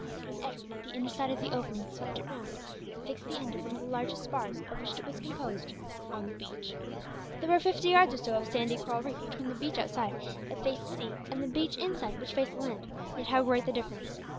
An eddy, at the inner side of the opening, swept it round, and fixed the end of one of the largest spars of which it was composed on the beach. There were fifty yards or so of sandy coral reef between the beach outside, that faced the sea, and the beach inside, which faced the land; yet how great the difference!